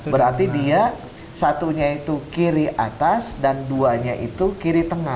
berarti dia satunya itu kiri atas dan duanya itu kiri tengah